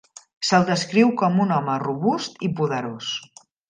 Se'l descriu com un home robust i poderós.